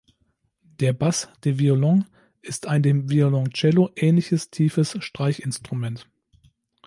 Der Basse de violon ist ein dem Violoncello ähnliches tiefes Streichinstrument.